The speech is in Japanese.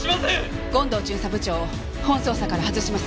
権藤巡査部長を本捜査から外します。